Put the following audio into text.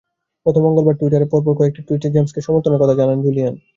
গত মঙ্গলবার টুইটারে পরপর কয়েকটি টুইটে জেমসকে সমর্থনের কথা জানান জুলিয়ান।